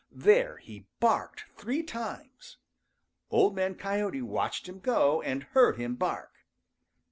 There he barked three times. Old Man Coyote watched him go and heard him bark.